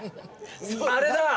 あれだ。